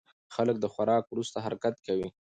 خلک د خوراک وروسته حرکت کوي.